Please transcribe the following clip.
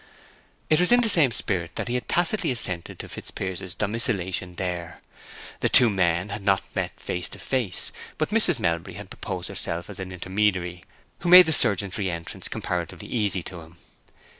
It was in the same spirit that he had tacitly assented to Fitzpiers's domicilation there. The two men had not met face to face, but Mrs. Melbury had proposed herself as an intermediary, who made the surgeon's re entrance comparatively easy to him.